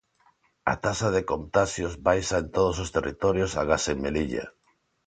A taxa de contaxios baixa en todos os territorios agás en Melilla.